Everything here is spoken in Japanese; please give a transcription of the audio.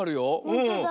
ほんとだ。